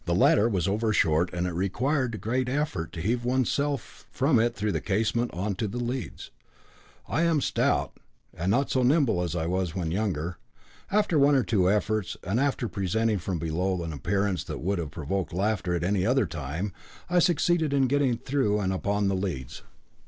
The ladder was over short, and it required an effort to heave oneself from it through the casement on to the leads. I am stout, and not so nimble as I was when younger. After one or two efforts, and after presenting from below an appearance that would have provoked laughter at any other time, I succeeded in getting through and upon the leads.